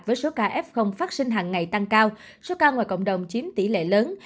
với số ca f phát sinh hàng ngày tăng cao số ca ngoài cộng đồng chiếm tỷ lệ lớn